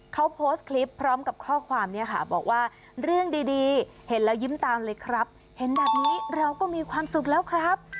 เขาโพสต์คลิปพร้อมกับข้อความเนี่ยค่ะบอกว่าเรื่องดีเห็นแล้วยิ้มตามเลยครับเห็นแบบนี้เราก็มีความสุขแล้วครับ